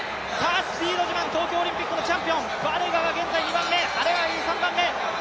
スピード自慢、東京オリンピックのチャンピオン、バレガが現在２番目。